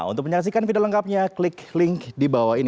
untuk menyaksikan video lengkapnya klik link di bawah ini